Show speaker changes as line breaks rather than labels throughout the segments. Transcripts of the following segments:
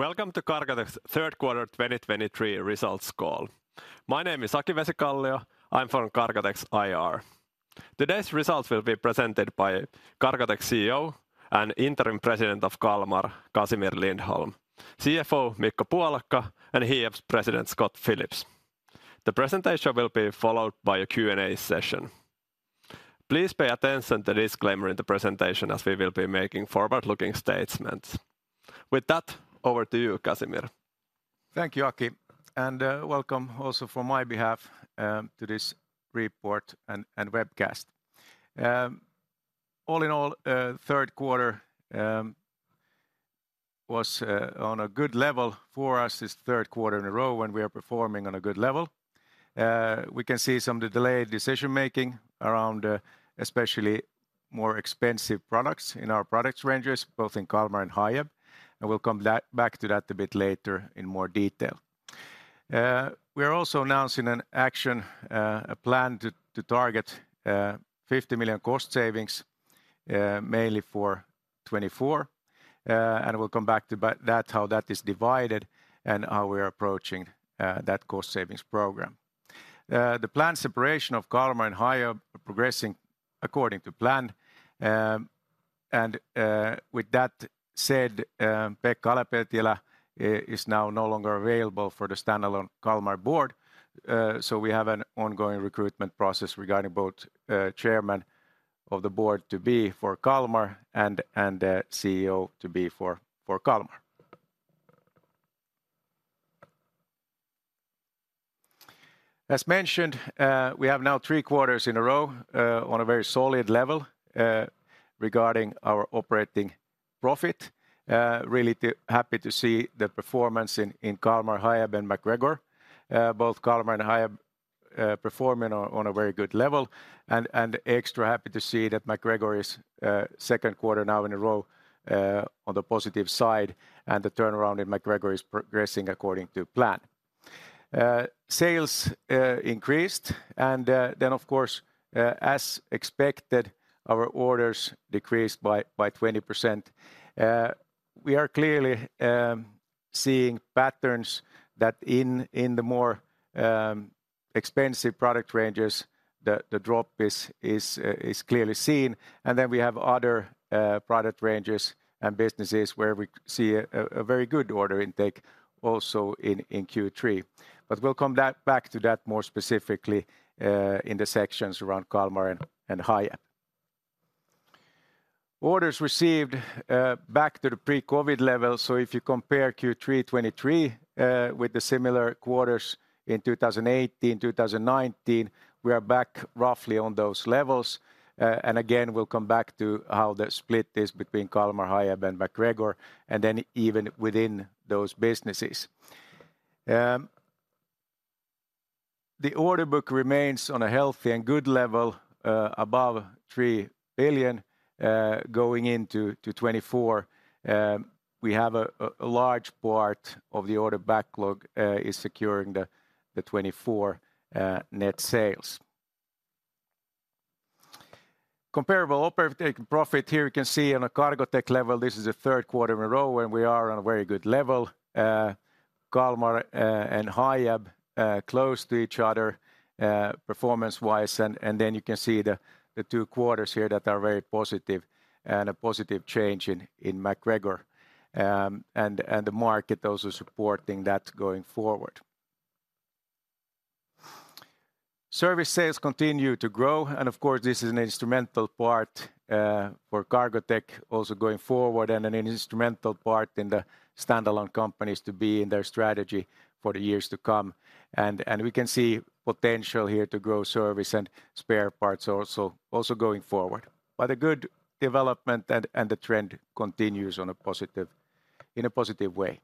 Welcome to Cargotec's third quarter 2023 results call. My name is Aki Vesikallio. I'm from Cargotec's IR. Today's results will be presented by Cargotec CEO and Interim President of Kalmar, Casimir Lindholm, CFO Mikko Puolakka, and Hiab's President, Scott Phillips. The presentation will be followed by a Q&A session. Please pay attention to the disclaimer in the presentation, as we will be making forward-looking statements. With that, over to you, Casimir.
Thank you, Aki, and welcome also from my behalf to this report and webcast. All in all, third quarter was on a good level for us. This is the third quarter in a row when we are performing on a good level. We can see some of the delayed decision-making around especially more expensive products in our products ranges, both in Kalmar and Hiab, and we'll come back to that a bit later in more detail. We are also announcing an action plan to target 50 million cost savings, mainly for 2024. And we'll come back to that, how that is divided, and how we're approaching that cost savings program. The planned separation of Kalmar and Hiab are progressing according to plan. With that said, Pekka Ala-Pietilä is now no longer available for the standalone Kalmar board. So we have an ongoing recruitment process regarding both chairman of the board to be for Kalmar and a CEO to be for Kalmar. As mentioned, we have now three quarters in a row on a very solid level regarding our operating profit. Really happy to see the performance in Kalmar, Hiab, and MacGregor. Both Kalmar and Hiab performing on a very good level, and extra happy to see that MacGregor is second quarter now in a row on the positive side, and the turnaround in MacGregor is progressing according to plan. Sales increased, and then, of course, as expected, our orders decreased by 20%. We are clearly seeing patterns that in the more expensive product ranges, the drop is clearly seen, and then we have other product ranges and businesses where we see a very good order intake also in Q3. But we'll come back to that more specifically in the sections around Kalmar and Hiab. Orders received back to the pre-COVID level, so if you compare Q3 2023 with the similar quarters in 2018, 2019, we are back roughly on those levels. And again, we'll come back to how the split is between Kalmar, Hiab, and MacGregor, and then even within those businesses. The order book remains on a healthy and good level above 3 billion. Going into 2024, we have a large part of the order backlog is securing the 2024 net sales. Comparable operating profit, here you can see on a Cargotec level, this is the third quarter in a row when we are on a very good level. Kalmar and Hiab close to each other performance-wise, and then you can see the two quarters here that are very positive and a positive change in MacGregor, and the market also supporting that going forward. Service sales continue to grow, and of course, this is an instrumental part for Cargotec also going forward and an instrumental part in the standalone companies to be in their strategy for the years to come. We can see potential here to grow service and spare parts also going forward. But a good development and the trend continues in a positive way.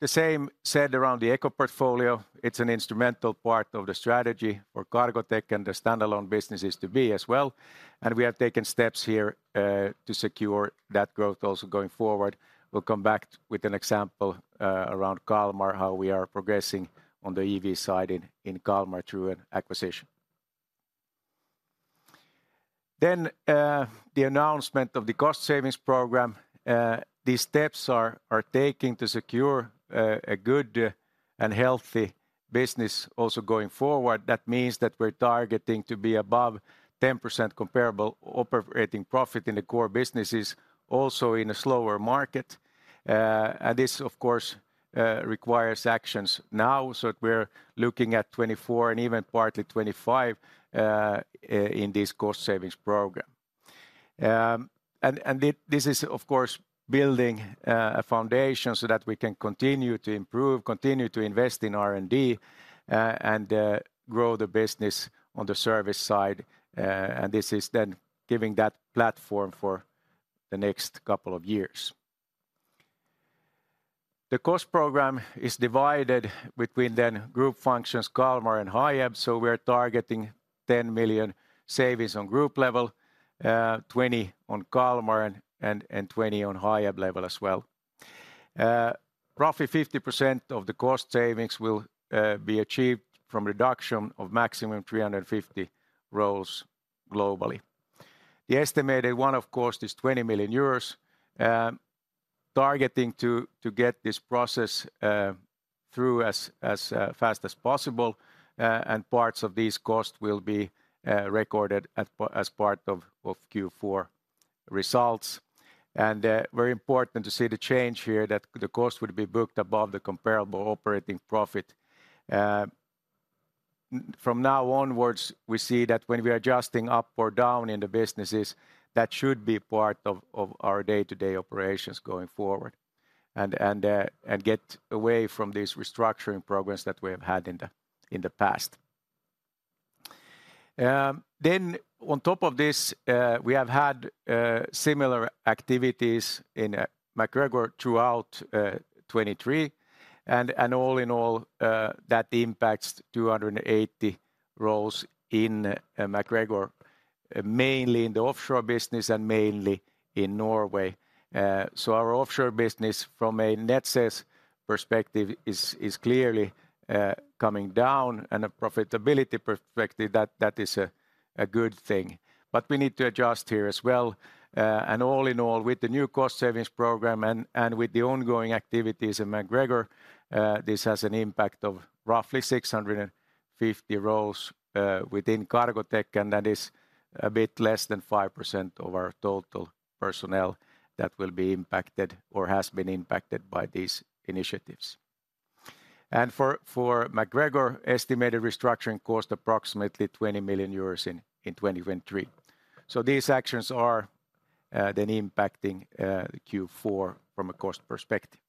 The same said around the Eco portfolio, it's an instrumental part of the strategy for Cargotec and the standalone businesses to be as well, and we have taken steps here to secure that growth also going forward. We'll come back with an example around Kalmar, how we are progressing on the EV side in Kalmar through an acquisition. Then the announcement of the cost savings program, these steps are taking to secure a good and healthy business also going forward. That means that we're targeting to be above 10% comparable operating profit in the core businesses, also in a slower market. And this, of course, requires actions now, so we're looking at 2024 and even partly 2025 in this cost savings program. This is, of course, building a foundation so that we can continue to improve, continue to invest in R&D, and grow the business on the service side, and this is then giving that platform for the next couple of years. The cost program is divided between the group functions, Kalmar and Hiab, so we're targeting 10 million savings on group level, 20 on Kalmar, and 20 on Hiab level as well. Roughly 50% of the cost savings will be achieved from reduction of maximum 350 roles globally. The estimated one-off cost, is 20 million euros, targeting to get this process through as fast as possible. And parts of these costs will be recorded as part of Q4 results. And very important to see the change here, that the cost would be booked above the comparable operating profit. From now onwards, we see that when we are adjusting up or down in the businesses, that should be part of our day-to-day operations going forward, and get away from these restructuring programs that we have had in the past. Then on top of this, we have had similar activities in MacGregor throughout 2023. All in all, that impacts 280 roles in MacGregor, mainly in the offshore business and mainly in Norway. So our offshore business from a net sales perspective is clearly coming down, and a profitability perspective, that is a good thing. But we need to adjust here as well. All in all, with the new cost savings program and with the ongoing activities in MacGregor, this has an impact of roughly 650 roles within Cargotec, and that is a bit less than 5% of our total personnel that will be impacted or has been impacted by these initiatives. For MacGregor, estimated restructuring cost approximately 20 million euros in 2023. So these actions are then impacting the Q4 from a cost perspective.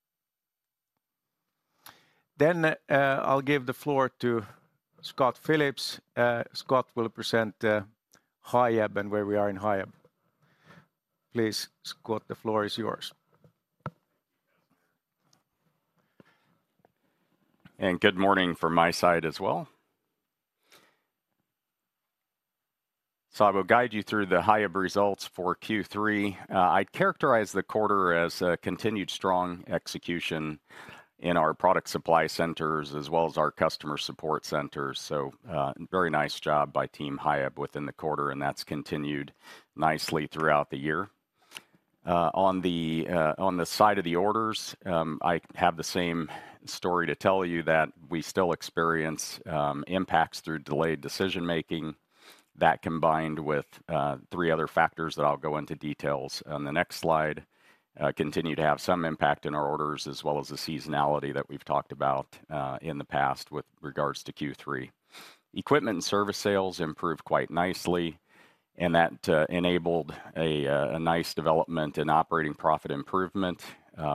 Then, I'll give the floor to Scott Phillips. Scott will present Hiab and where we are in Hiab. Please, Scott, the floor is yours.
Good morning from my side as well. I will guide you through the Hiab results for Q3. I'd characterize the quarter as a continued strong execution in our product supply centers, as well as our customer support centers. Very nice job by Team Hiab within the quarter, and that's continued nicely throughout the year. On the side of the orders, I have the same story to tell you that we still experience impacts through delayed decision-making. That, combined with three other factors that I'll go into details on the next slide, continue to have some impact in our orders, as well as the seasonality that we've talked about in the past with regards to Q3. Equipment and service sales improved quite nicely, and that enabled a nice development in operating profit improvement,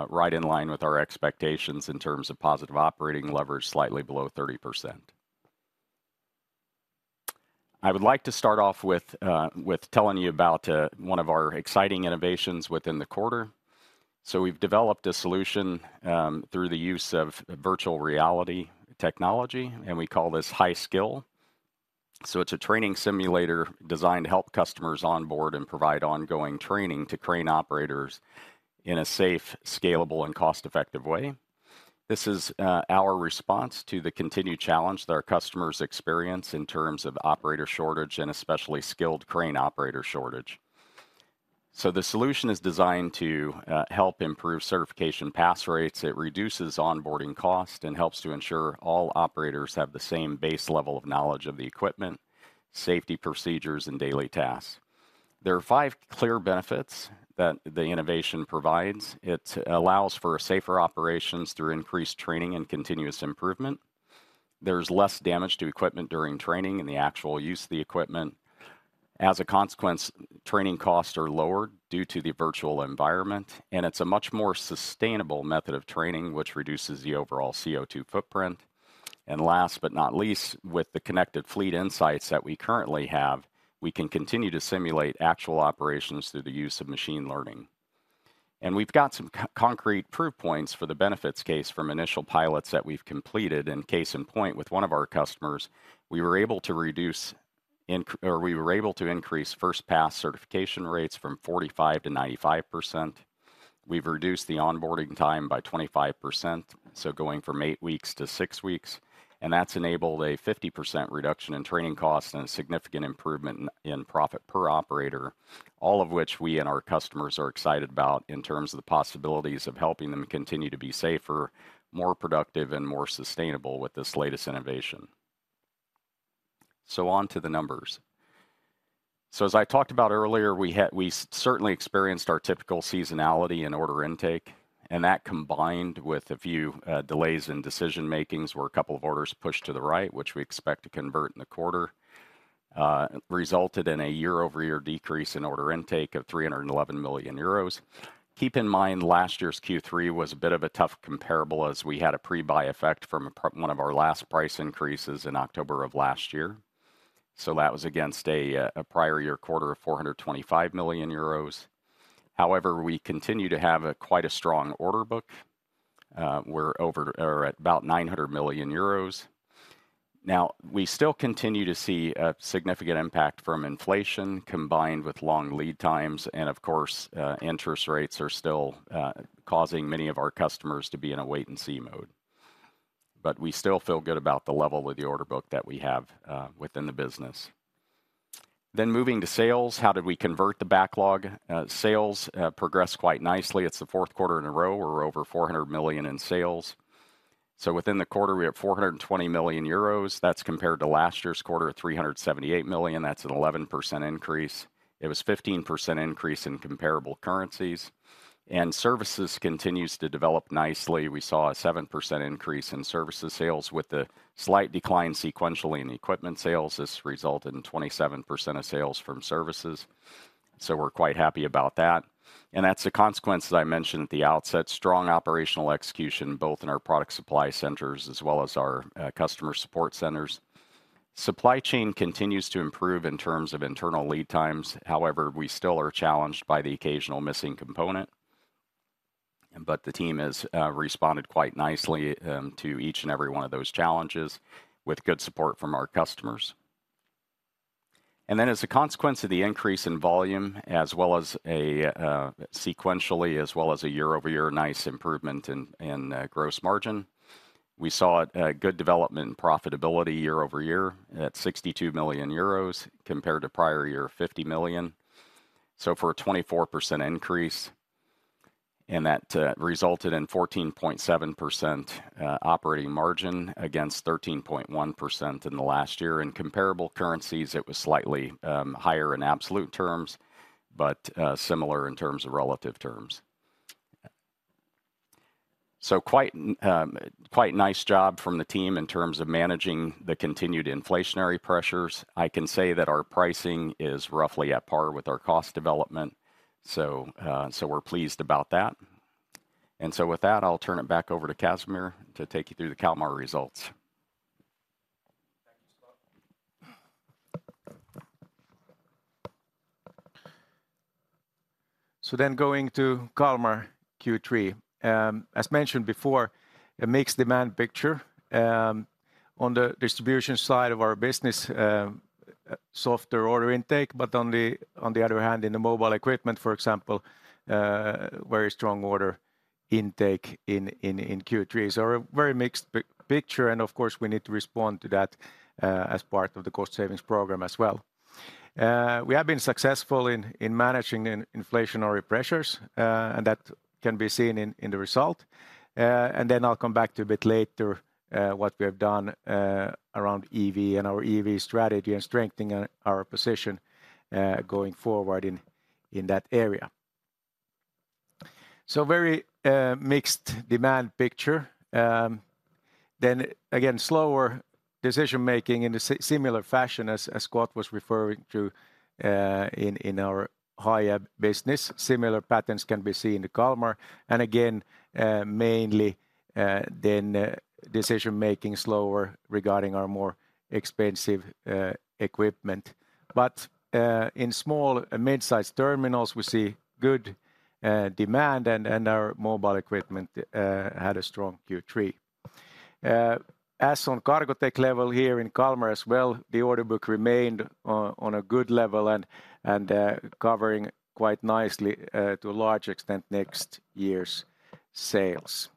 right in line with our expectations in terms of positive operating leverage, slightly below 30%. I would like to start off with telling you about one of our exciting innovations within the quarter. So we've developed a solution through the use of virtual reality technology, and we call this HiSkill. So it's a training simulator designed to help customers onboard and provide ongoing training to crane operators in a safe, scalable, and cost-effective way. This is our response to the continued challenge that our customers experience in terms of operator shortage and especially skilled crane operator shortage. So the solution is designed to help improve certification pass rates. It reduces onboarding cost and helps to ensure all operators have the same base level of knowledge of the equipment, safety procedures, and daily tasks. There are five clear benefits that the innovation provides: It allows for safer operations through increased training and continuous improvement. There's less damage to equipment during training and the actual use of the equipment. As a consequence, training costs are lowered due to the virtual environment, and it's a much more sustainable method of training, which reduces the overall CO2 footprint. And last but not least, with the connected fleet insights that we currently have, we can continue to simulate actual operations through the use of machine learning. And we've got some concrete proof points for the benefits case from initial pilots that we've completed. Case in point, with one of our customers, we were able to increase first pass certification rates from 45% to 95%. We've reduced the onboarding time by 25%, so going from 8 weeks to 6 weeks, and that's enabled a 50% reduction in training costs and a significant improvement in profit per operator. All of which we and our customers are excited about in terms of the possibilities of helping them continue to be safer, more productive, and more sustainable with this latest innovation. On to the numbers. So as I talked about earlier, we certainly experienced our typical seasonality in order intake, and that combined with a few delays in decision-makings, where a couple of orders pushed to the right, which we expect to convert in the quarter, resulted in a year-over-year decrease in order intake of 311 million euros. Keep in mind, last year's Q3 was a bit of a tough comparable, as we had a pre-buy effect from one of our last price increases in October of last year. So that was against a prior year quarter of 425 million euros. However, we continue to have quite a strong order book. We're over or at about 900 million euros. Now, we still continue to see a significant impact from inflation, combined with long lead times, and of course, interest rates are still causing many of our customers to be in a wait-and-see mode. But we still feel good about the level of the order book that we have within the business. Then moving to sales, how did we convert the backlog? Sales progressed quite nicely. It's the fourth quarter in a row. We're over 400 million in sales. So within the quarter, we have 420 million euros. That's compared to last year's quarter of 378 million. That's an 11% increase. It was 15% increase in comparable currencies. And services continues to develop nicely. We saw a 7% increase in services sales, with a slight decline sequentially in equipment sales. This resulted in 27% of sales from services, so we're quite happy about that. That's a consequence, as I mentioned at the outset, strong operational execution, both in our product supply centers as well as our customer support centers. Supply chain continues to improve in terms of internal lead times. However, we still are challenged by the occasional missing component. But the team has responded quite nicely to each and every one of those challenges, with good support from our customers. Then as a consequence of the increase in volume, as well as sequentially, as well as year-over-year nice improvement in gross margin, we saw a good development in profitability year-over-year at 62 million euros, compared to prior year, 50 million. So for a 24% increase, and that resulted in 14.7% operating margin against 13.1% in the last year. In comparable currencies, it was slightly higher in absolute terms, but similar in terms of relative terms. So quite quite nice job from the team in terms of managing the continued inflationary pressures. I can say that our pricing is roughly at par with our cost development, so so we're pleased about that. And so with that, I'll turn it back over to Casimir to take you through the Kalmar results.
Thank you, Scott. So then going to Kalmar Q3. As mentioned before, a mixed demand picture. On the distribution side of our business, softer order intake, but on the other hand, in the mobile equipment, for example, very strong order intake in Q3. So a very mixed picture, and of course, we need to respond to that, as part of the cost savings program as well. We have been successful in managing inflationary pressures, and that can be seen in the result. And then I'll come back to a bit later, what we have done, around EV and our EV strategy and strengthening our position, going forward in that area. So very mixed demand picture. Then again, slower decision-making in a similar fashion as Scott was referring to, in our Hiab business. Similar patterns can be seen in Kalmar, and again, mainly, then, decision making slower regarding our more expensive equipment. But, in small and mid-sized terminals, we see good demand, and our mobile equipment had a strong Q3. As on Cargotec level here in Kalmar as well, the order book remained on a good level and, covering quite nicely, to a large extent, next year's sales.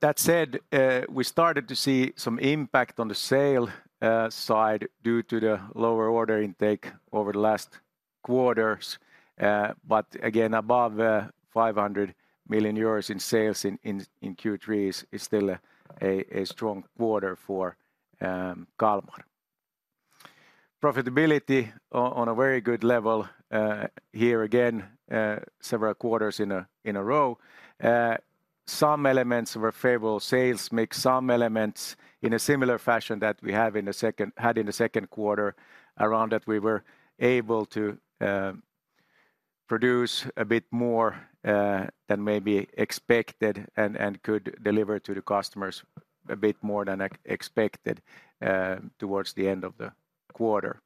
That said, we started to see some impact on the sales side due to the lower order intake over the last quarters, but again, above 500 million euros in sales in Q3 is still a strong quarter for Kalmar. Profitability on a very good level, here again, several quarters in a row. Some elements were favorable. Sales mix some elements in a similar fashion that we had in the second quarter, around that we were able to produce a bit more than maybe expected and could deliver to the customers a bit more than expected towards the end of the quarter.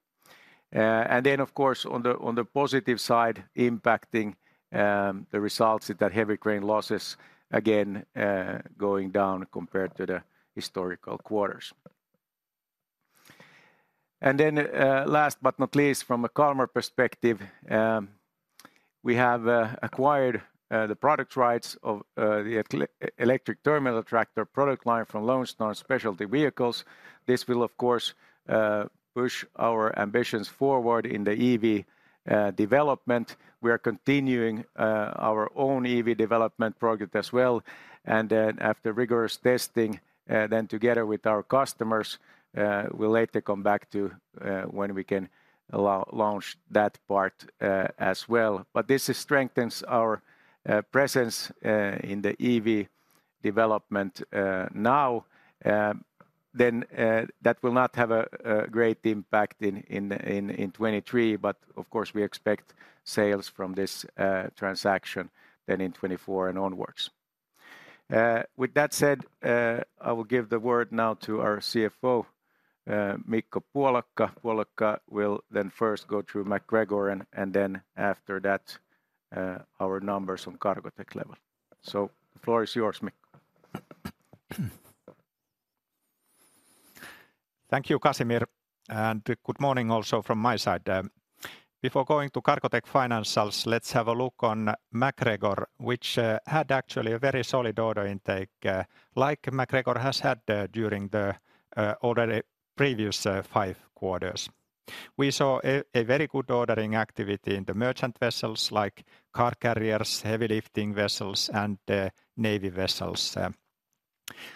And then, of course, on the positive side, impacting the results is that heavy crane losses, again, going down compared to the historical quarters. And then, last but not least, from a Kalmar perspective, we have acquired the product rights of the electric terminal tractor product line from Lonestar Specialty Vehicles. This will, of course, push our ambitions forward in the EV development. We are continuing our own EV development project as well, and after rigorous testing, together with our customers, we'll later come back to when we can launch that part as well. But this strengthens our presence in the EV development now. Then, that will not have a great impact in 2023, but of course, we expect sales from this transaction then in 2024 and onwards. With that said, I will give the word now to our CFO, Mikko Puolakka. Puolakka will then first go through MacGregor, and then after that, our numbers on Cargotec level. So the floor is yours, Mikko....
Thank you, Casimir, and good morning also from my side. Before going to Cargotec financials, let's have a look on MacGregor, which had actually a very solid order intake, like MacGregor has had during the already previous five quarters. We saw a very good ordering activity in the merchant vessels, like car carriers, heavy lifting vessels, and navy vessels.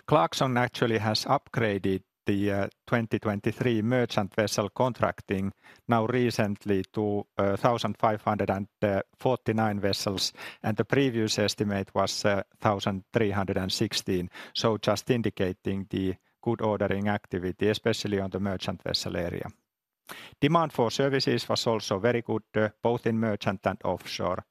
Clarkson actually has upgraded the 2023 merchant vessel contracting now recently to 1,549 vessels, and the previous estimate was 1,316. So just indicating the good ordering activity, especially on the merchant vessel area. Demand for services was also very good, both in merchant and offshore.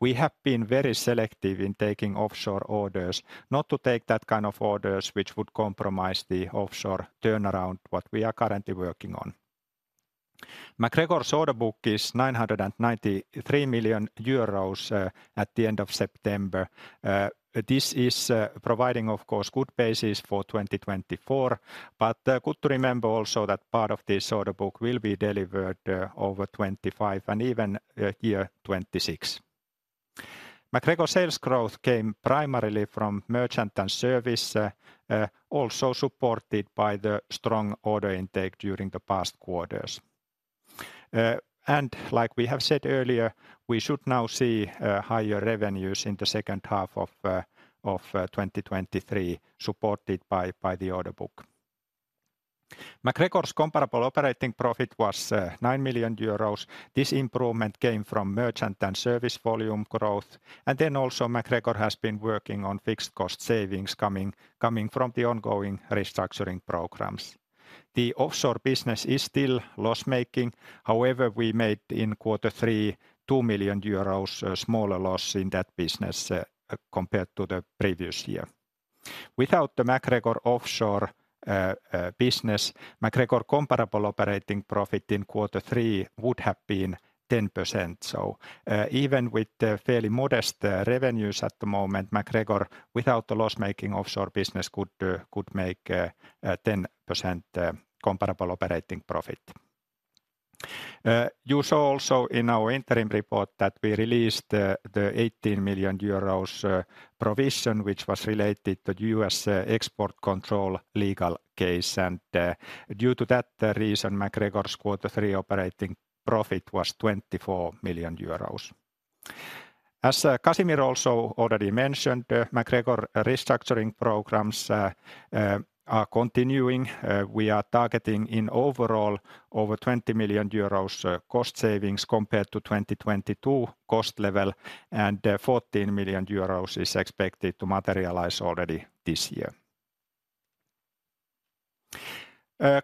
We have been very selective in taking offshore orders, not to take that kind of orders, which would compromise the offshore turnaround, what we are currently working on. MacGregor's order book is 993 million euros at the end of September. This is providing, of course, good basis for 2024, but good to remember also that part of this order book will be delivered over 2025 and even year 2026. MacGregor's sales growth came primarily from merchant and service, also supported by the strong order intake during the past quarters. And like we have said earlier, we should now see higher revenues in the second half of 2023, supported by the order book. MacGregor's comparable operating profit was 9 million euros. This improvement came from merchant and service volume growth, and then also MacGregor has been working on fixed cost savings coming from the ongoing restructuring programs. The offshore business is still loss-making. However, we made in quarter three 2 million euros smaller loss in that business compared to the previous year. Without the MacGregor offshore business, MacGregor comparable operating profit in quarter three would have been 10%. So, even with the fairly modest revenues at the moment, MacGregor, without the loss-making offshore business, could make 10% comparable operating profit. You saw also in our interim report that we released the 18 million euros provision, which was related to U.S. export control legal case, and due to that reason, MacGregor's quarter three operating profit was 24 million euros. As Casimir also already mentioned, MacGregor restructuring programs are continuing. We are targeting in overall over 20 million euros cost savings compared to 2022 cost level, and 14 million euros is expected to materialize already this year.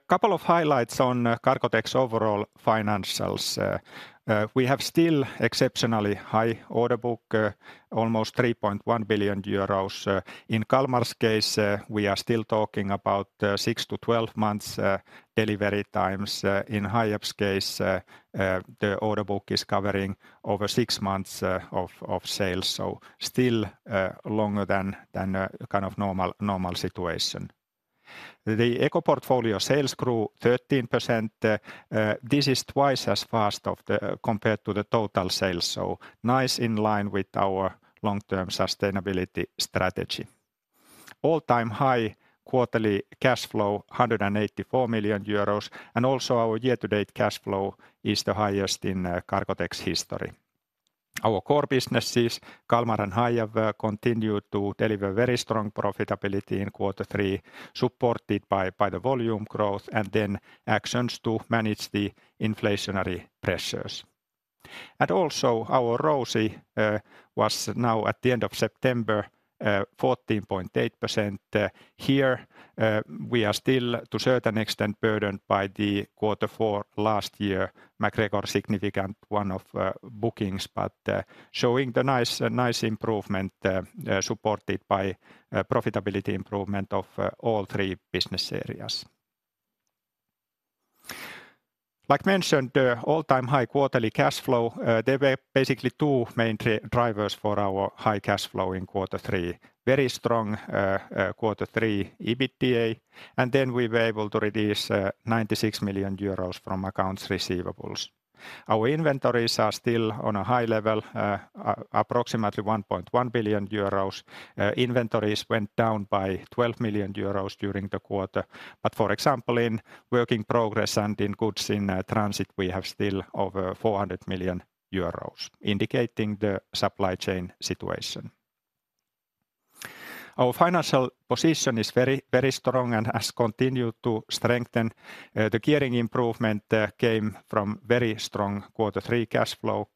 Couple of highlights on Cargotec's overall financials. We have still exceptionally high order book, almost 3.1 billion euros. In Kalmar's case, we are still talking about 6-12 months delivery times. In Hiab's case, the order book is covering over 6 months of sales, so still longer than a kind of normal situation. The Eco portfolio sales grew 13%. This is twice as fast as the total sales, so nicely in line with our long-term sustainability strategy. All-time high quarterly cash flow, 184 million euros, and also our year-to-date cash flow is the highest in Cargotec's history. Our core businesses, Kalmar and Hiab, continued to deliver very strong profitability in quarter three, supported by the volume growth and then actions to manage the inflationary pressures. And also, our ROCE was now at the end of September 14.8%. Here, we are still to a certain extent burdened by the quarter four last year MacGregor significant one of bookings, but showing the nice, nice improvement supported by profitability improvement of all three business areas. Like mentioned, all-time high quarterly cash flow. There were basically two main drivers for our high cash flow in quarter three. Very strong quarter three EBITDA, and then we were able to reduce 96 million euros from accounts receivables. Our inventories are still on a high level, approximately 1.1 billion euros. Inventories went down by 12 million euros during the quarter, but for example, in work in progress and in goods in transit, we have still over 400 million euros, indicating the supply chain situation. Our financial position is very, very strong and has continued to strengthen. The gearing improvement came from very strong quarter three cash flow.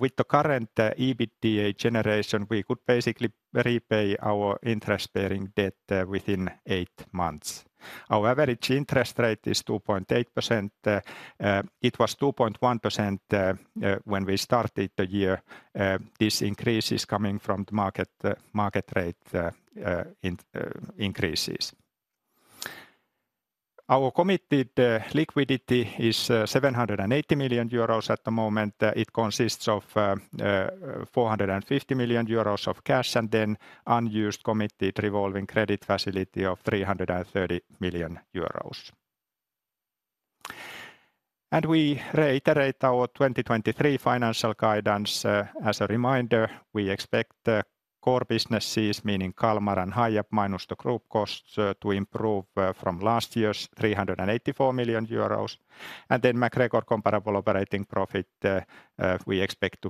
With the current EBITDA generation, we could basically repay our interest-bearing debt within 8 months. Our average interest rate is 2.8%. It was 2.1% when we started the year. This increase is coming from the market rate increases. Our committed liquidity is 780 million euros at the moment. It consists of 450 million euros of cash, and then unused committed revolving credit facility of 330 million euros. We reiterate our 2023 financial guidance. As a reminder, we expect the core businesses, meaning Kalmar and Hiab, minus the group costs, to improve from last year's 384 million euros, and then MacGregor comparable operating profit we expect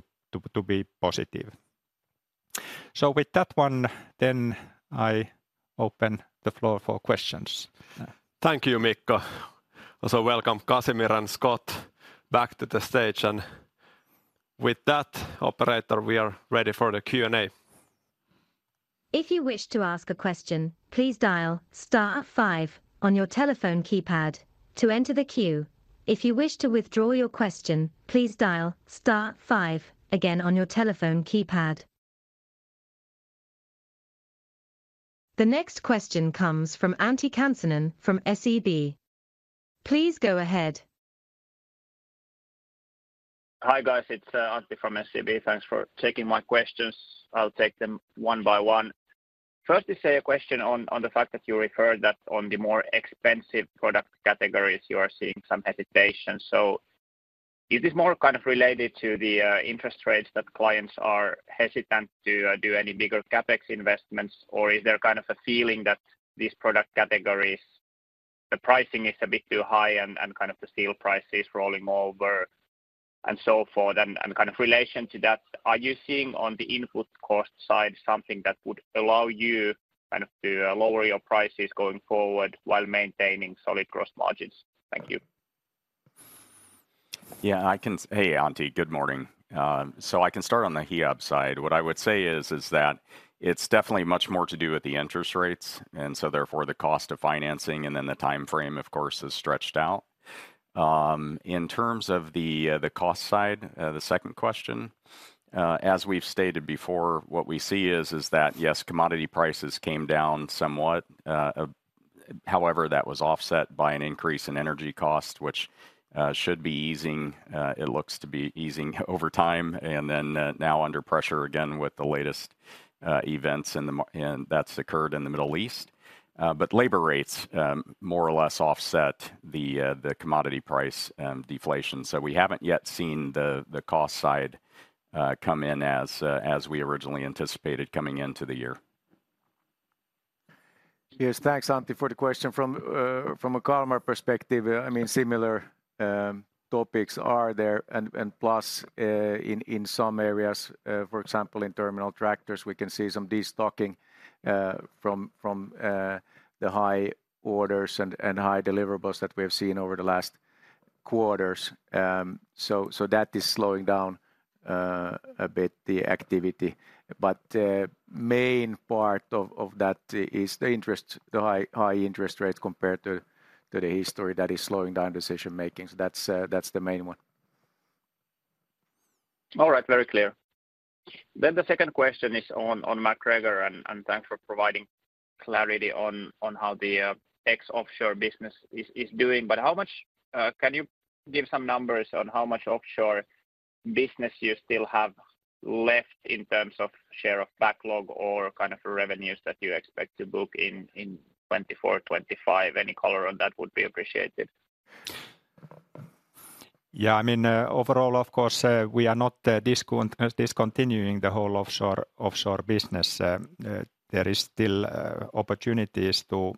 to be positive. So with that one, then I open the floor for questions.
Thank you, Mikko. Also, welcome Casimir and Scott back to the stage, and with that, operator, we are ready for the Q&A.
If you wish to ask a question, please dial star five on your telephone keypad to enter the queue. If you wish to withdraw your question, please dial star five again on your telephone keypad. The next question comes from Antti Kansanen from SEB. Please go ahead.
Hi, guys. It's Antti from SEB. Thanks for taking my questions. I'll take them one by one. First is a question on the fact that you referred that on the more expensive product categories, you are seeing some hesitation. So is this more kind of related to the interest rates that clients are hesitant to do any bigger CapEx investments? Or is there kind of a feeling that these product categories, the pricing is a bit too high and kind of the steel prices rolling over and so forth? And kind of relation to that, are you seeing on the input cost side, something that would allow you kind of to lower your prices going forward while maintaining solid gross margins? Thank you.
Yeah, Hey, Antti, good morning. So I can start on the Hiab side. What I would say is that it's definitely much more to do with the interest rates, and so therefore, the cost of financing, and then the time frame, of course, is stretched out. In terms of the cost side, the second question, as we've stated before, what we see is that, yes, commodity prices came down somewhat, however, that was offset by an increase in energy cost, which should be easing, it looks to be easing over time, and then now under pressure again with the latest events in the market and that's occurred in the Middle East. But labor rates more or less offset the commodity price deflation. So we haven't yet seen the cost side come in as we originally anticipated coming into the year.
Yes, thanks, Antti, for the question. From a Kalmar perspective, I mean, similar topics are there, and plus, in some areas, for example, in terminal tractors, we can see some destocking from the high orders and high deliverables that we have seen over the last quarters. So that is slowing down a bit, the activity. But main part of that is the interest, the high interest rate compared to the history that is slowing down decision-making. So that's the main one.
All right. Very clear. Then the second question is on MacGregor, and thanks for providing clarity on how the ex-offshore business is doing. But how much... can you give some numbers on how much offshore business you still have left in terms of share of backlog or kind of revenues that you expect to book in 2024, 2025? Any color on that would be appreciated.
Yeah, I mean, overall, of course, we are not discontinuing the whole offshore business. There is still opportunities to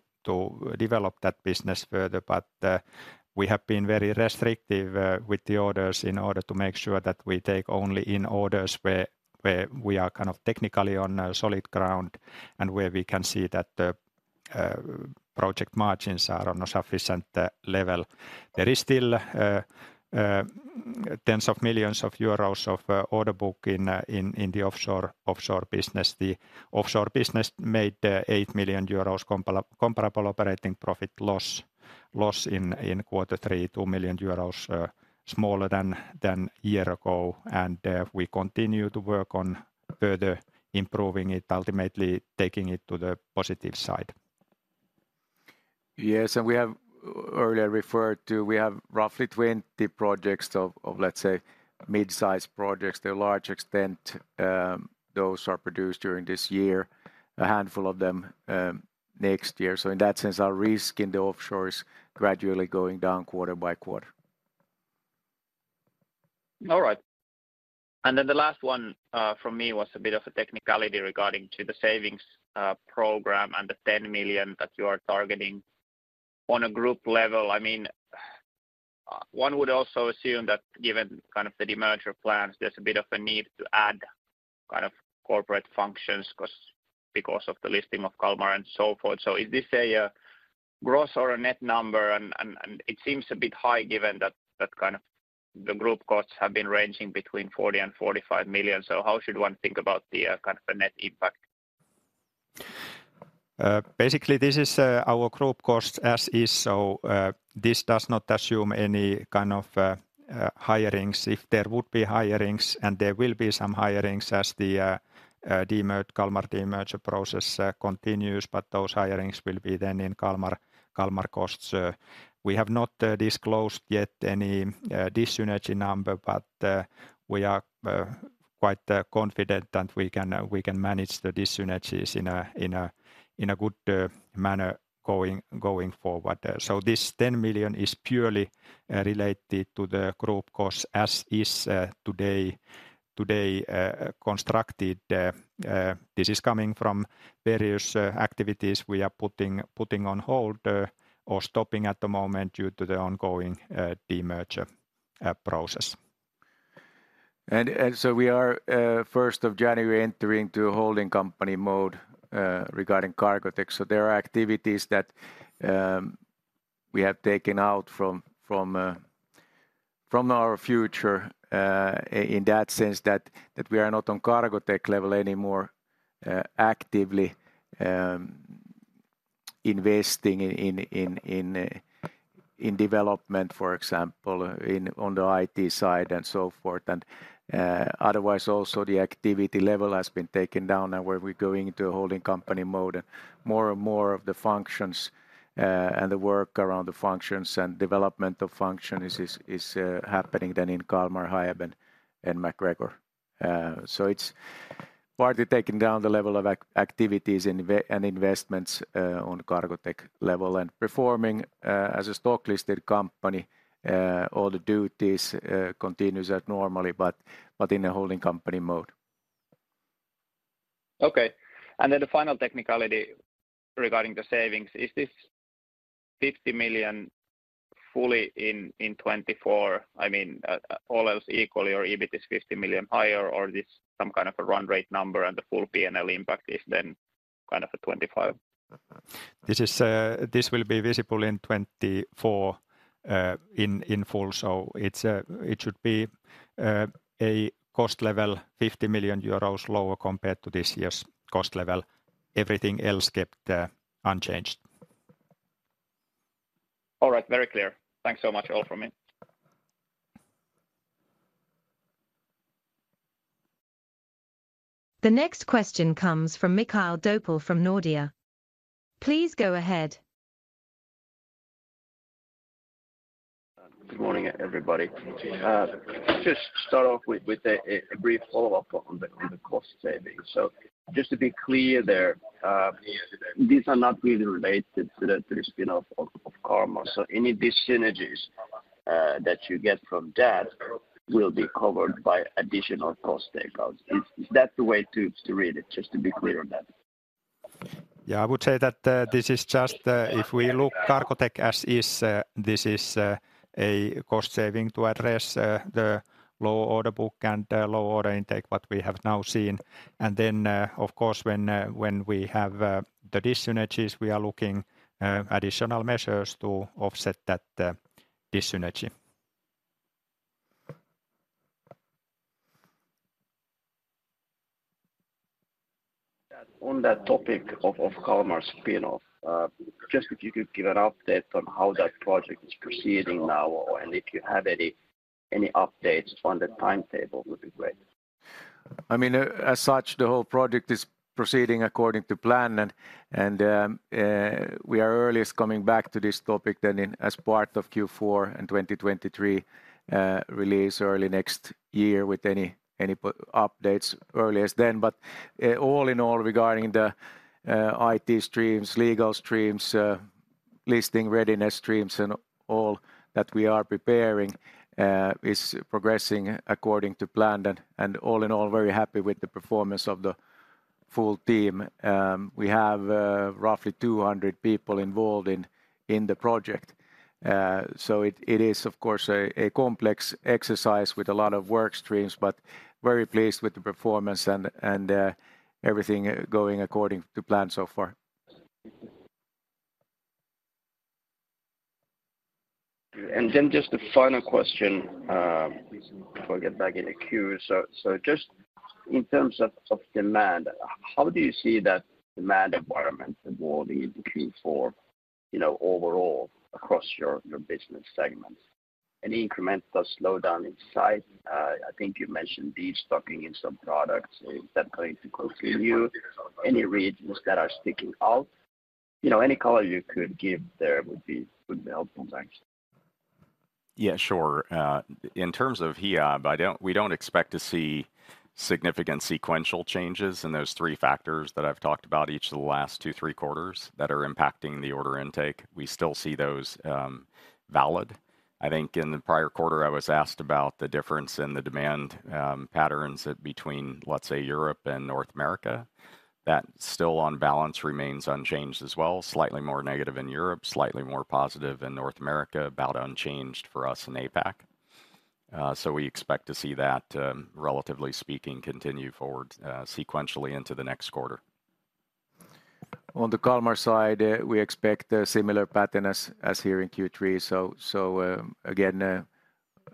develop that business further, but we have been very restrictive with the orders in order to make sure that we take only orders where we are kind of technically on a solid ground, and where we can see that the project margins are on a sufficient level. There is still tens of millions of EUR order book in the offshore business. The offshore business made 8 million euros comparable operating profit loss in quarter three, 2 million euros smaller than year ago, and we continue to work on further improving it, ultimately taking it to the positive side.
Yes, and we have earlier referred to... We have roughly 20 projects of, let's say, mid-size projects. To a large extent, those are produced during this year, a handful of them, next year. So in that sense, our risk in the offshore is gradually going down quarter-by-quarter.
All right. And then the last one from me was a bit of a technicality regarding to the savings program and the 10 million that you are targeting. On a group level, I mean, one would also assume that given kind of the demerger plans, there's a bit of a need to add kind of corporate functions, 'cause because of the listing of Kalmar and so forth. So is this a gross or a net number? And it seems a bit high given that kind of the group costs have been ranging between 40 million and 45 million. So how should one think about the kind of a net impact?
Basically, this is our group cost as is, so this does not assume any kind of hirings. If there would be hirings, and there will be some hirings as the Kalmar demerger process continues, but those hirings will be then in Kalmar, Kalmar costs. We have not disclosed yet any dis-synergy number, but we are-... quite confident that we can manage the dissynergies in a good manner going forward. So this 10 million is purely related to the group cost, as is today constructed. This is coming from various activities we are putting on hold or stopping at the moment due to the ongoing demerger process. And so we are first of January entering to a holding company mode regarding Cargotec. So there are activities that we have taken out from our future in that sense that we are not on Cargotec level anymore actively investing in development, for example, on the IT side and so forth. Otherwise, also the activity level has been taken down and where we're going into a holding company mode. More and more of the functions, and the work around the functions and development of functions is happening then in Kalmar, Hiab, and MacGregor. So it's partly taking down the level of activities and investments on Cargotec level. Performing as a stock-listed company, all the duties continues as normally but in a holding company mode.
Okay. And then the final technicality regarding the savings, is this 50 million fully in, in 2024? I mean, all else equally or EBIT is 50 million higher, or this some kind of a run rate number and the full PNL impact is then kind of a 25 million?
This is... This will be visible in 2024, in full. So it should be a cost level 50 million euros lower compared to this year's cost level. Everything else kept unchanged.
All right. Very clear. Thanks so much, all from me.
The next question comes from Mikael Doepel from Nordea. Please go ahead.
Good morning, everybody. Just start off with a brief follow-up on the cost savings. So just to be clear there, these are not really related to the spin-off of Kalmar. So any dissynergies that you get from that will be covered by additional cost takeouts. Is that the way to read it? Just to be clear on that.
Yeah, I would say that, this is just, if we look at Cargotec as is, this is, a cost saving to address, the low order book and, low order intake, what we have now seen. And then, of course, when, when we have, the dis-synergies, we are looking, additional measures to offset that, dis-synergy.
On that topic of, of Kalmar spin-off, just if you could give an update on how that project is proceeding now, and if you have any, any updates on the timetable would be great.
I mean, as such, the whole project is proceeding according to plan, and we are earliest coming back to this topic then as part of Q4 in 2023, release early next year with any updates earliest then. But all in all, regarding the IT streams, legal streams, listing readiness streams and all that we are preparing is progressing according to plan. And all in all, very happy with the performance of the full team. We have roughly 200 people involved in the project. So it is of course a complex exercise with a lot of work streams, but very pleased with the performance and everything going according to plan so far.
And then just a final question, before I get back in the queue. So, just in terms of demand, how do you see that demand environment evolving in Q4, you know, overall across your business segments? Any incremental slowdown in size? I think you mentioned destocking in some products. Is that going to continue? Any regions that are sticking out? You know, any color you could give there would be helpful. Thanks.
Yeah, sure. In terms of Hiab, we don't expect to see significant sequential changes in those three factors that I've talked about each of the last two, three quarters that are impacting the order intake. We still see those valid. I think in the prior quarter, I was asked about the difference in the demand patterns between, let's say, Europe and North America. That still on balance remains unchanged as well. Slightly more negative in Europe, slightly more positive in North America, about unchanged for us in APAC. So we expect to see that, relatively speaking, continue forward sequentially into the next quarter.
On the Kalmar side, we expect a similar pattern as here in Q3. So, again,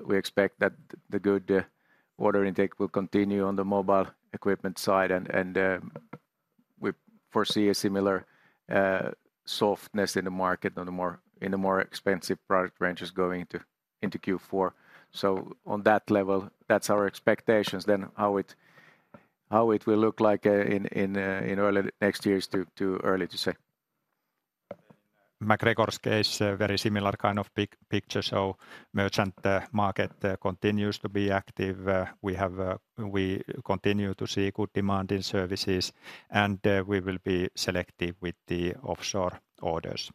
we expect that the good order intake will continue on the mobile equipment side, and we foresee a similar softness in the market in the more expensive product ranges going into Q4. So on that level, that's our expectations. Then how it will look like in early next year is too early to say. MacGregor's case, very similar kind of picture, so merchant market continues to be active. We continue to see good demand in services, and we will be selective with the offshore orders.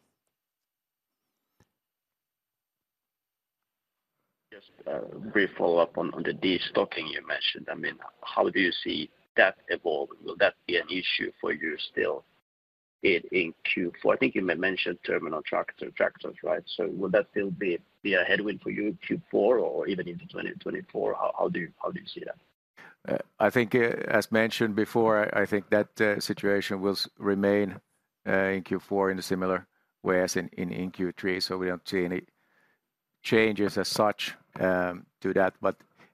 Just a brief follow-up on the destocking you mentioned. I mean, how do you see that evolving? Will that be an issue for you still in Q4? I think you mentioned terminal tractors, right? So will that still be a headwind for you in Q4 or even into 2024? How do you see that?
I think, as mentioned before, I think that situation will remain in Q4 in a similar way as in Q3. So we don't see any changes as such to that.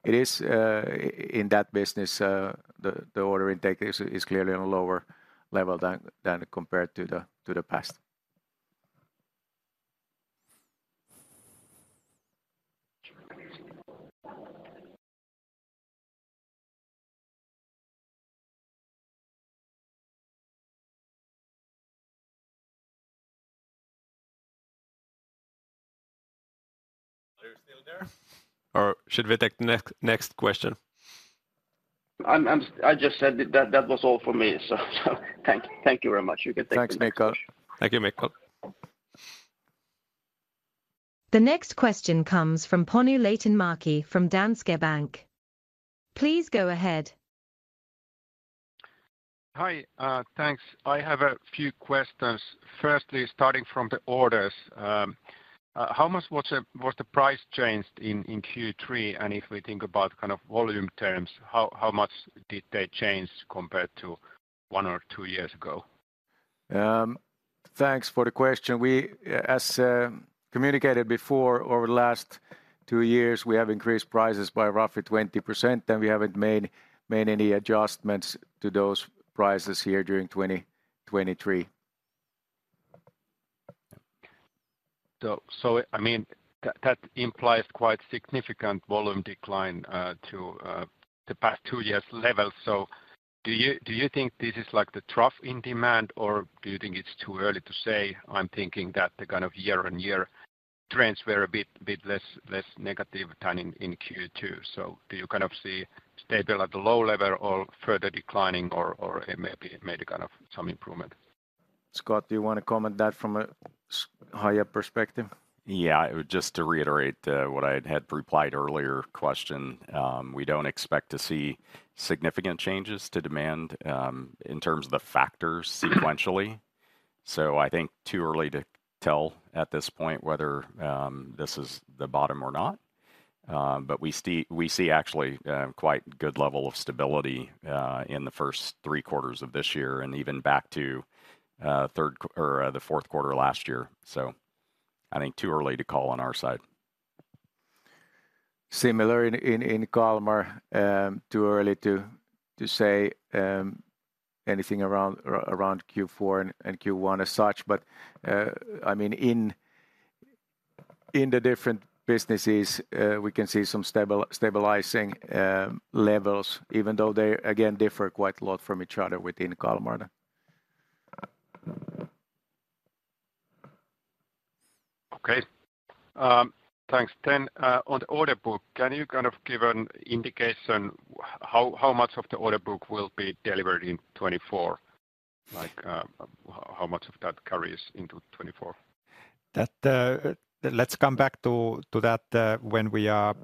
But it is in that business, the order intake is clearly on a lower level than compared to the past.
Are you still there? Or should we take the next question? I'm—I just said that was all for me. So, thank you very much. You can take the next question.
Thanks, Mikael.
Thank you, Mikael.
The next question comes from Panu Laitinmäki from Danske Bank. Please go ahead.
Hi, thanks. I have a few questions. Firstly, starting from the orders, how much was the price changed in Q3? And if we think about kind of volume terms, how much did they change compared to one or two years ago?
Thanks for the question. As communicated before, over the last two years, we have increased prices by roughly 20%, and we haven't made any adjustments to those prices here during 2023.
So, I mean, that implies quite significant volume decline to the past two years level. So do you think this is like the trough in demand, or do you think it's too early to say? I'm thinking that the kind of year-on-year trends were a bit less negative than in Q2. So do you kind of see stable at the low level, or further declining, or it may be made a kind of some improvement?
Scott, do you wanna comment that from a higher perspective?
Yeah, just to reiterate, what I had replied earlier question. We don't expect to see significant changes to demand, in terms of the factors sequentially. So I think too early to tell at this point whether this is the bottom or not. But we see actually quite good level of stability in the first three quarters of this year, and even back to the third quarter or the fourth quarter last year. So I think too early to call on our side.
Similar in Kalmar. Too early to say anything around Q4 and Q1 as such. But I mean, in the different businesses, we can see some stabilizing levels, even though they again differ quite a lot from each other within Kalmar.
Okay. Thanks. Then, on the order book, can you kind of give an indication how, how much of the order book will be delivered in 2024? Like, how much of that carries into 2024?
That, let's come back to that when we are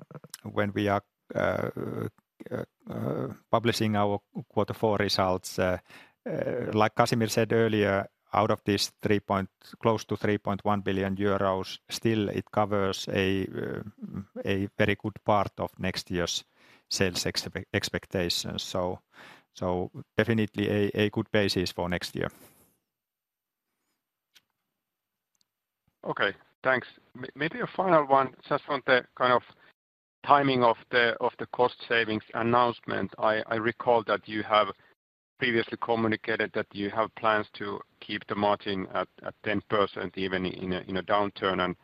publishing our quarter four results. Like Casimir said earlier, out of this three point... close to 3.1 billion euros, still it covers a very good part of next year's sales expectations. So definitely a good basis for next year.
Okay, thanks. Maybe a final one, just on the kind of timing of the cost savings announcement. I recall that you have previously communicated that you have plans to keep the margin at 10%, even in a downturn, and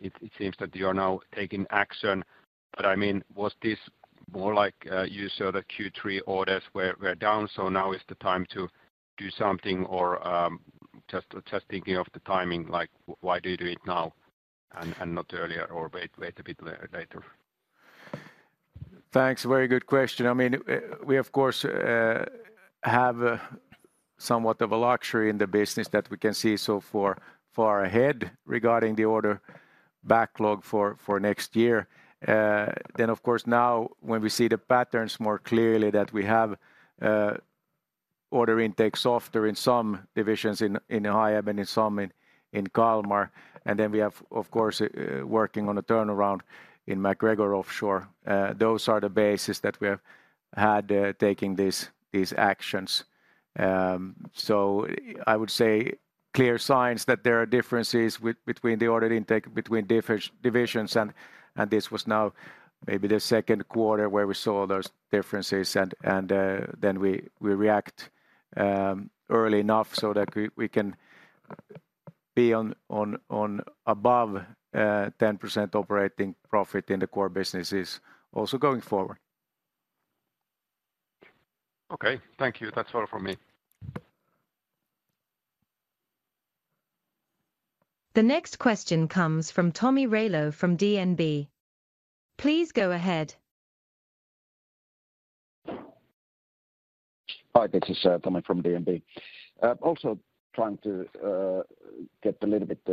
it seems that you are now taking action. But I mean, was this more like you saw the Q3 orders were down, so now is the time to do something? Or just thinking of the timing, like, why do you do it now and not earlier or wait a bit later?
Thanks. Very good question. I mean, we, of course, have somewhat of a luxury in the business that we can see so far ahead regarding the order backlog for next year. Then, of course, now, when we see the patterns more clearly, that we have order intake softer in some divisions in Hiab and in some in Kalmar, and then we have, of course, working on a turnaround in MacGregor Offshore. Those are the basis that we have had taking these actions. So I would say clear signs that there are differences between the order intake between divisions, and this was now maybe the second quarter where we saw those differences, and then we react early enough so that we can be above 10% operating profit in the core businesses also going forward. ...
Okay, thank you. That's all from me.
The next question comes from Tomi Railo from DNB. Please go ahead.
Hi, this is Tomi from DNB. Also trying to get a little bit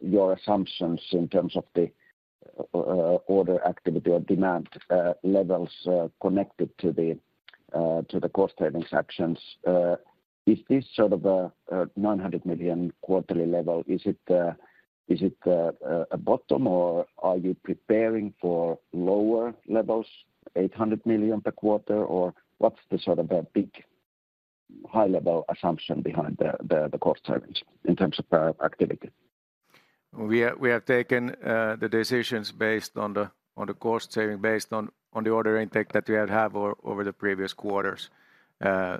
your assumptions in terms of the order activity or demand levels connected to the cost-saving actions. Is this sort of a 900 million quarterly level? Is it a bottom, or are you preparing for lower levels, 800 million per quarter? Or what's the sort of a big high-level assumption behind the cost savings in terms of activity?
We have taken the decisions based on the cost saving, based on the order intake that we have had over the previous quarters.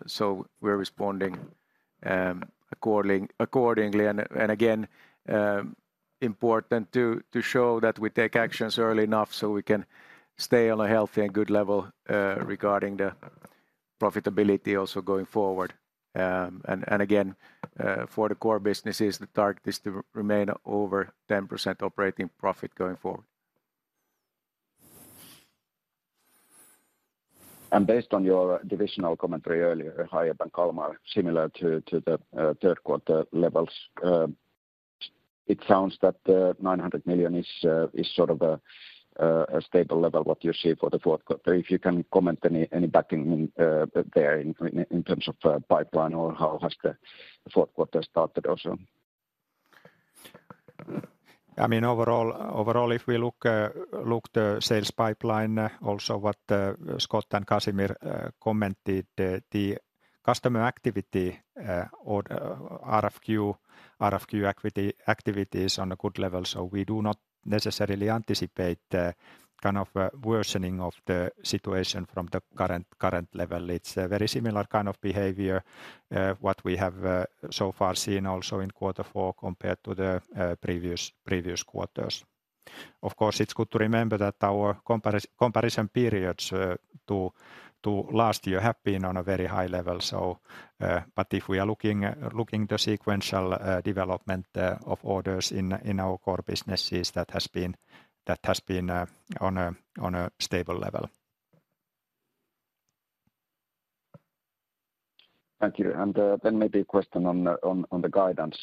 So we're responding accordingly, accordingly. And again, important to show that we take actions early enough so we can stay on a healthy and good level regarding the profitability also going forward. And again, for the core businesses, the target is to remain over 10% operating profit going forward.
Based on your divisional commentary earlier, Hiab and Kalmar, similar to the third quarter levels, it sounds that the 900 million is sort of a stable level, what you see for the fourth quarter. If you can comment any backing there in terms of pipeline or how has the fourth quarter started also?
I mean, overall, if we look at the sales pipeline, also what Scott and Casimir commented, the customer activity or RFQ activity is on a good level, so we do not necessarily anticipate the kind of worsening of the situation from the current level. It's a very similar kind of behavior what we have so far seen also in quarter four compared to the previous quarters. Of course, it's good to remember that our comparison periods to last year have been on a very high level. But if we are looking at the sequential development of orders in our core businesses, that has been on a stable level.
Thank you. Then maybe a question on the guidance.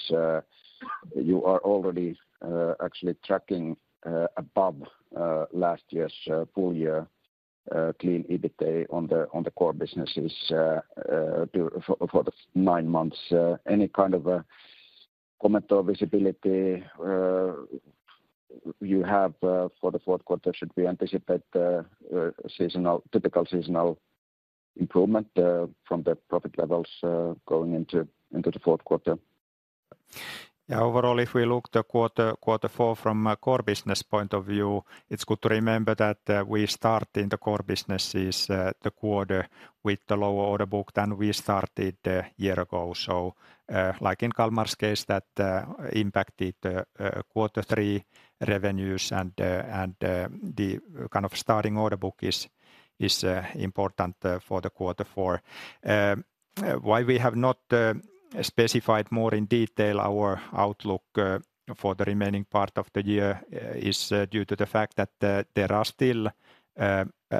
You are already actually tracking above last year's full year clean EBITDA on the core businesses for the nine months. Any kind of a comment or visibility you have for the fourth quarter? Should we anticipate a seasonal typical seasonal improvement from the profit levels going into the fourth quarter?
Yeah, overall, if we look at the quarter, quarter four from a core business point of view, it's good to remember that we start in the core businesses the quarter with the lower order book than we started a year ago. So, like in Kalmar's case, that impacted the quarter three revenues, and the kind of starting order book is important for the quarter four. Why we have not specified more in detail our outlook for the remaining part of the year is due to the fact that there are still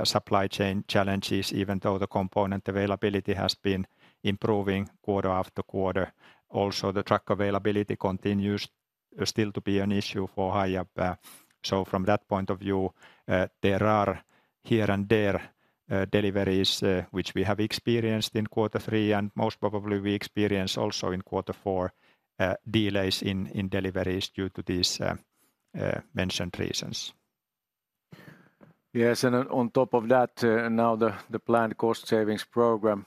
supply chain challenges, even though the component availability has been improving quarter after quarter. Also, the truck availability continues still to be an issue for Hiab. So from that point of view, there are here and there deliveries which we have experienced in quarter three, and most probably we experience also in quarter four, delays in deliveries due to these mentioned reasons.
Yes, and on top of that, now the planned cost savings program,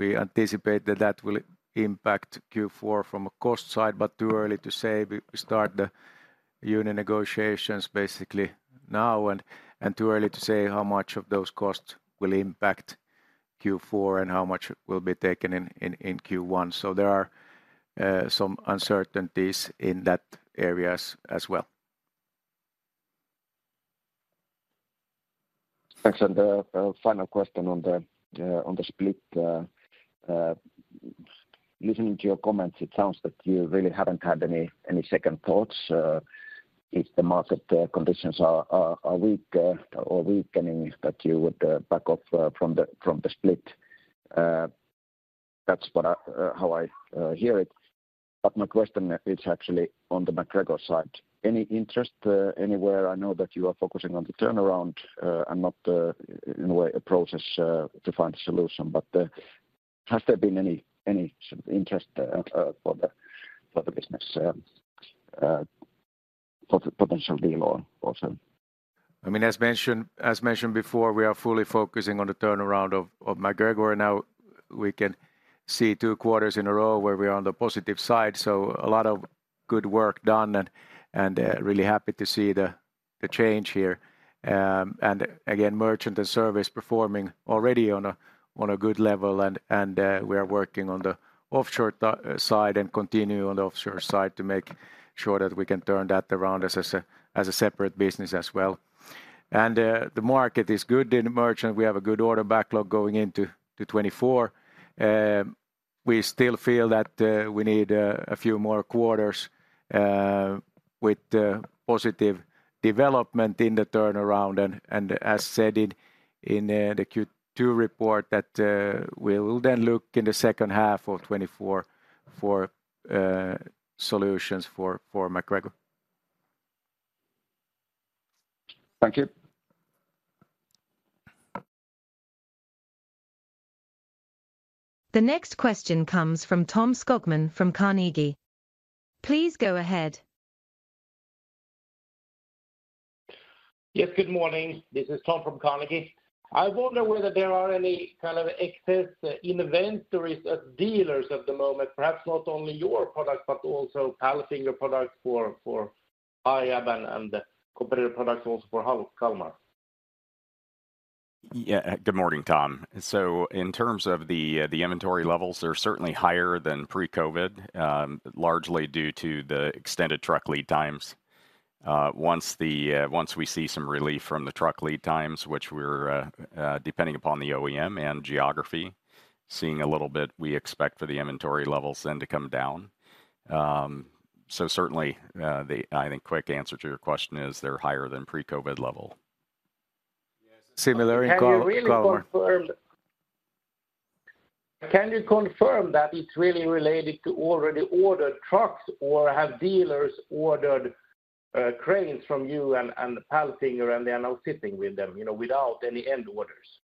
we anticipate that that will impact Q4 from a cost side, but too early to say. We start the union negotiations basically now, and too early to say how much of those costs will impact Q4 and how much will be taken in Q1. So there are some uncertainties in that areas as well.
Thanks. And, final question on the split. Listening to your comments, it sounds that you really haven't had any second thoughts, if the market conditions are weak or weakening, that you would back off from the split. That's what I... how I hear it. But my question is actually on the MacGregor side. Any interest anywhere? I know that you are focusing on the turnaround and not, in a way, a process to find a solution, but, has there been any sort of interest for the business for the potential deal on also?
I mean, as mentioned, as mentioned before, we are fully focusing on the turnaround of MacGregor now. We can see two quarters in a row where we are on the positive side, so a lot of good work done and really happy to see the change here. And again, merchant and service performing already on a good level, and we are working on the offshore side and continue on the offshore side to make sure that we can turn that around as a separate business as well. And the market is good in merchant. We have a good order backlog going into 2024. We still feel that we need a few more quarters with positive development in the turnaround. As said in the Q2 report, we will then look in the second half of 2024 for solutions for MacGregor.
Thank you.
The next question comes from Tom Skogman from Carnegie. Please go ahead.
Yes, good morning. This is Tom from Carnegie. I wonder whether there are any kind of excess inventories at dealers at the moment, perhaps not only your product, but also Palfinger product for Hiab and competitive products also for Kalmar?
Yeah, good morning, Tom. So in terms of the, the inventory levels, they're certainly higher than pre-COVID, largely due to the extended truck lead times. Once we see some relief from the truck lead times, which we're, depending upon the OEM and geography, seeing a little bit, we expect for the inventory levels then to come down. So certainly, the, I think, quick answer to your question is they're higher than pre-COVID level.
Similar in Kalmar.
Can you really confirm... Can you confirm that it's really related to already ordered trucks, or have dealers ordered, cranes from you and, and Palfinger, and they are now sitting with them, you know, without any end orders?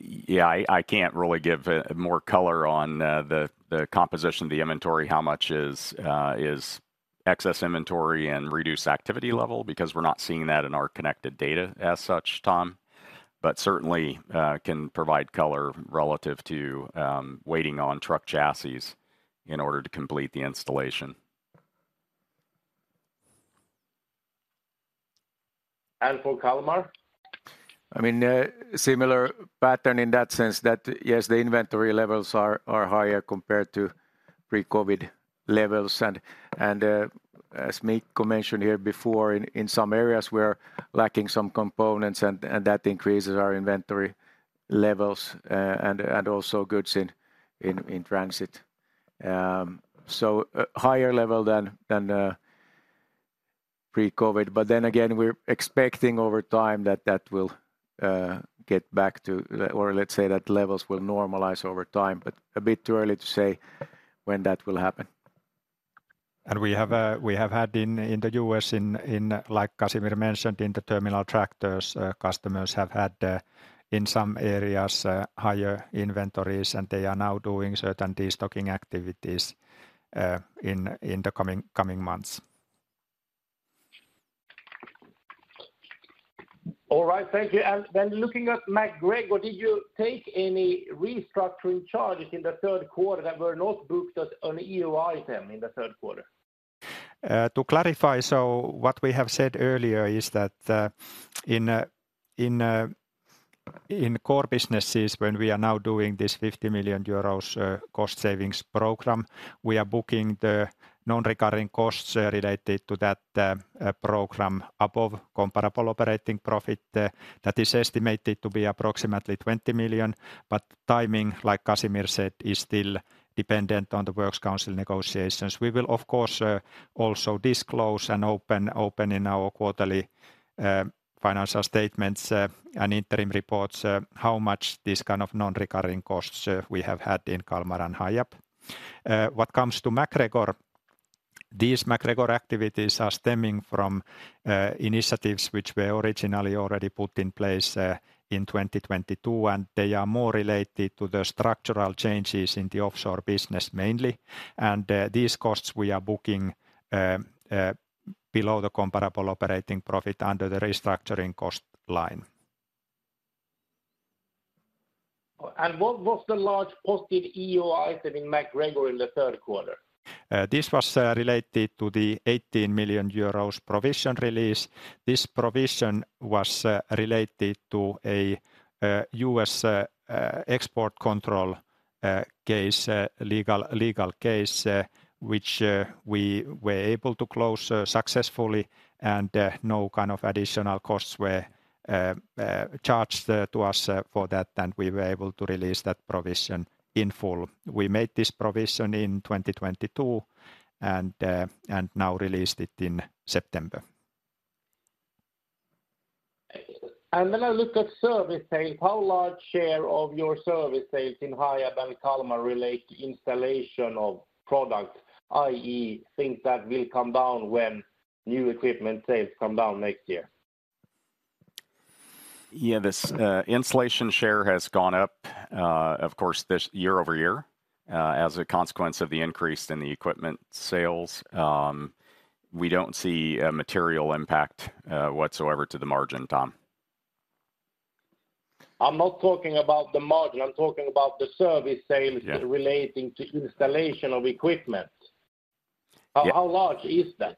Yeah, I can't really give more color on the composition of the inventory, how much is excess inventory and reduced activity level, because we're not seeing that in our connected data as such, Tom. But certainly, can provide color relative to waiting on truck chassis in order to complete the installation.
For Kalmar?
I mean, a similar pattern in that sense, that, yes, the inventory levels are higher compared to pre-COVID levels. And as Mikko mentioned here before, in some areas, we're lacking some components, and that increases our inventory levels, and also goods in transit. So a higher level than pre-COVID, but then again, we're expecting over time that will get back to, or let's say that levels will normalize over time, but a bit too early to say when that will happen.
We have had, in the U.S., like Casimir mentioned, in the terminal tractors, customers have had, in some areas, higher inventories, and they are now doing certain destocking activities in the coming months.
All right. Thank you. And then looking at MacGregor, did you take any restructuring charges in the third quarter that were not booked as an EO item in the third quarter?
To clarify, so what we have said earlier is that, in core businesses, when we are now doing this 50 million euros cost savings program, we are booking the non-recurring costs, related to that, program above comparable operating profit. That is estimated to be approximately 20 million, but timing, like Casimir said, is still dependent on the works council negotiations. We will, of course, also disclose and open, open in our quarterly, financial statements, and interim reports, how much this kind of non-recurring costs, we have had in Kalmar and Hiab. What comes to MacGregor, these MacGregor activities are stemming from, initiatives which were originally already put in place, in 2022, and they are more related to the structural changes in the offshore business, mainly. These costs we are booking below the comparable operating profit under the restructuring cost line.
What was the large posted EO item in MacGregor in the third quarter?
This was related to the 18 million euros provision release. This provision was related to a U.S. export control legal case which we were able to close successfully, and no kind of additional costs were charged to us for that, and we were able to release that provision in full. We made this provision in 2022 and now released it in September.
When I look at service sales, how large share of your service sales in Hiab and Kalmar relate to installation of product, i.e., things that will come down when new equipment sales come down next year?
Yeah, this installation share has gone up, of course, this year-over-year, as a consequence of the increase in the equipment sales. We don't see a material impact, whatsoever to the margin, Tom.
I'm not talking about the margin. I'm talking about the service sales-
Yeah...
relating to installation of equipment. How large is that?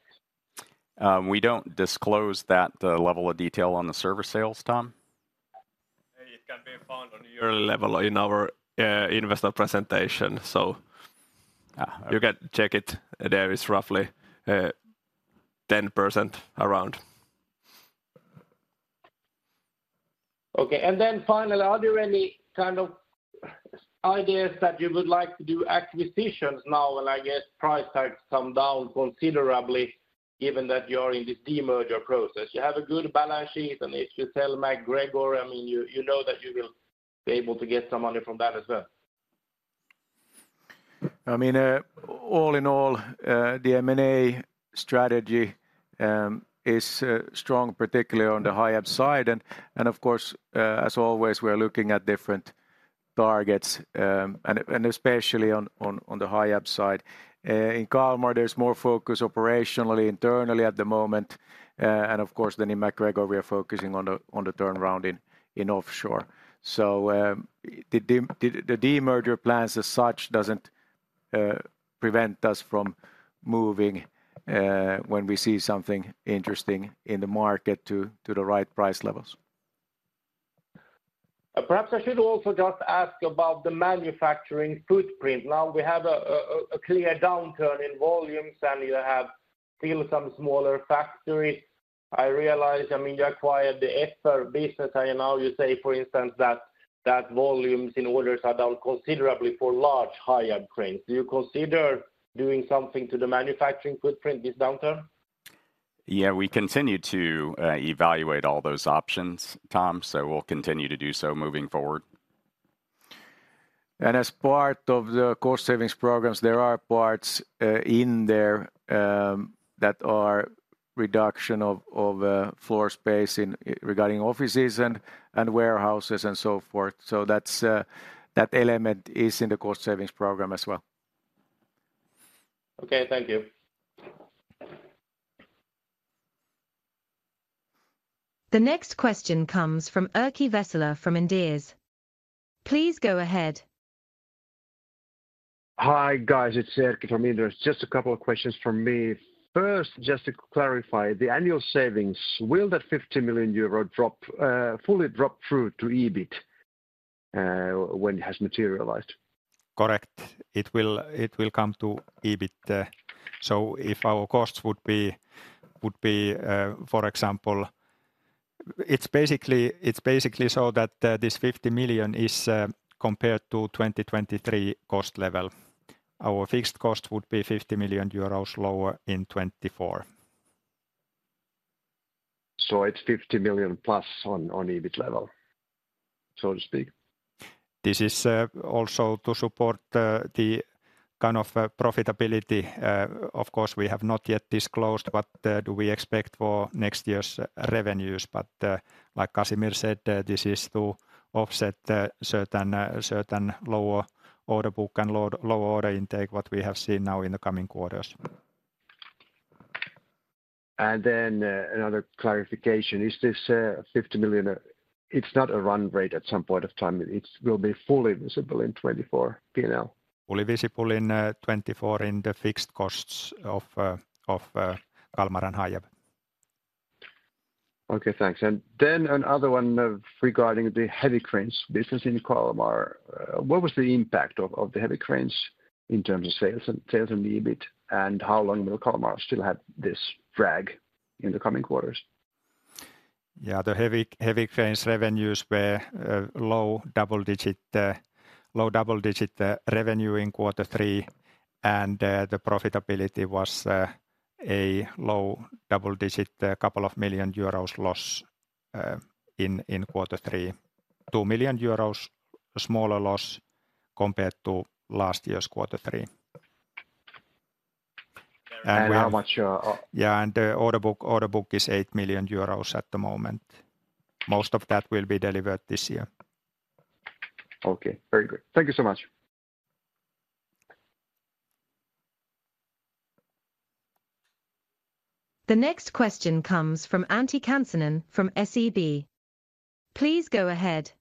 We don't disclose that, the level of detail on the service sales, Tom.
It can be found on your level in our investor presentation, so-
Ah.
You can check it. There is roughly 10% around.
Okay. And then finally, are there any kind of ideas that you would like to do acquisitions now when I guess price tags come down considerably, given that you're in this de-merger process? You have a good balance sheet, and if you sell MacGregor, I mean, you, you know that you will be able to get some money from that as well.
I mean, all in all, the M&A strategy is strong, particularly on the Hiab side. And, of course, as always, we are looking at different targets, and especially on the Hiab side. In Kalmar, there's more focus operationally, internally at the moment. And of course, then in MacGregor, we are focusing on the turnaround in offshore. So, the de-merger plans as such doesn't prevent us from moving when we see something interesting in the market to the right price levels.
Perhaps I should also just ask about the manufacturing footprint. Now, we have a clear downturn in volumes, and you have still some smaller factories. I realize, I mean, you acquired the FR business, and now you say, for instance, that volumes in orders are down considerably for large, high-end cranes. Do you consider doing something to the manufacturing footprint this downturn?
Yeah, we continue to evaluate all those options, Tom, so we'll continue to do so moving forward.
As part of the cost savings programs, there are parts in there that are reduction of floor space regarding offices and warehouses and so forth. So that's that element is in the cost savings program as well.
Okay. Thank you.
The next question comes from Erkki Vesola from Inderes. Please go ahead.
Hi, guys. It's Erkki from Inderes. Just a couple of questions from me. First, just to clarify, the annual savings, will that 50 million euro drop fully drop through to EBIT when it has materialized?
Correct. It will, it will come to EBIT. So if our costs would be, would be, for example, it's basically, it's basically so that, this 50 million is, compared to 2023 cost level. Our fixed cost would be 50 million euros lower in 2024.
It's 50 million plus on EBIT level, so to speak?
This is also to support the kind of profitability. Of course, we have not yet disclosed, but do we expect for next year's revenues? But like Casimir said, this is to offset the certain certain lower order book and low low order intake, what we have seen now in the coming quarters.
Another clarification: Is this 50 million? It's not a run rate at some point of time. It will be fully visible in 2024 P&L?
Fully visible in 2024 in the fixed costs of Kalmar and Hiab.
Okay, thanks. And then another one regarding the heavy cranes business in Kalmar. What was the impact of the heavy cranes in terms of sales and EBIT? And how long will Kalmar still have this drag in the coming quarters?
Yeah, the heavy, heavy cranes revenues were low double-digit revenue in quarter three, and the profitability was a low double-digit couple of million EUR loss in quarter three. 2 million euros, smaller loss compared to last year's quarter three.
How much,
Yeah, and the order book, order book is 8 million euros at the moment. Most of that will be delivered this year.
Okay, very good. Thank you so much.
The next question comes from Antti Kansanen from SEB. Please go ahead.